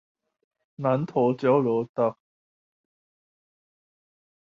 南投交流道